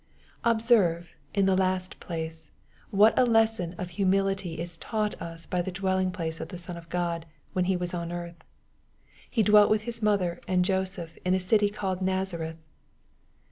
Observe, in the last place, what a lesson of humility is taught tw by the dwelling place of the Son of God, when He was on earth. He dwelt with His mother and Joseph " in a city called Nazareth.